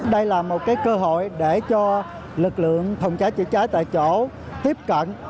đây là một cơ hội để cho lực lượng thông trái chữa cháy tại chỗ tiếp cận